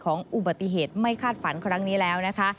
ของอุบัติเหตุไม่คาดฝันครั้งนี้แล้ว